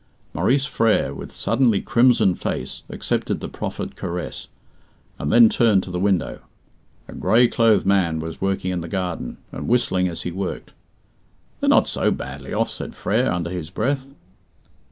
Maurice Frere, with suddenly crimsoned face, accepted the proffered caress, and then turned to the window. A grey clothed man was working in the garden, and whistling as he worked. "They're not so badly off," said Frere, under his breath.